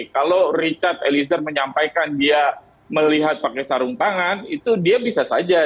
kalau richard eliezer menyampaikan dia melihat pakai sarung tangan itu dia bisa saja